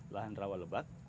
lahan rawa lebak